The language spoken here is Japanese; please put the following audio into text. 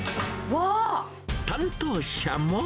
担当者も。